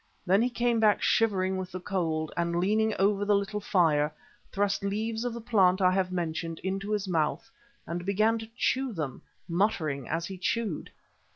Then he came back shivering with the cold, and, leaning over the little fire, thrust leaves of the plant I have mentioned into his mouth and began to chew them, muttering as he chewed.